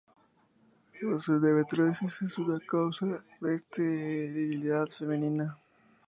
La endometriosis es otra causa de esterilidad femenina.